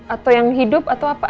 atau yang hidup atau apa